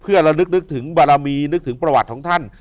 เพื่อระลึกนึกถึงบารมีนึกถึงประวัติของท่าน